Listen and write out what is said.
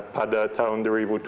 pada tahun dua ribu tujuh belas